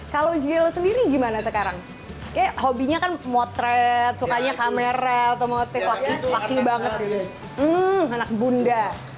kalau sendiri gimana sekarang hobinya kan motret sukanya kamera atau motif waktunya banget anak bunda